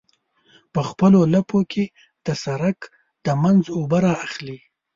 په خپلو لپو کې د سرک د منځ اوبه رااخلي.